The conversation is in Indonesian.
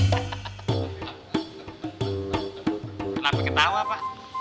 kenapa ketawa pak